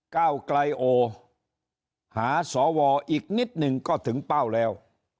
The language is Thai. ก้าวไกลโอหาสวอีกนิดหนึ่งก็ถึงเป้าแล้ว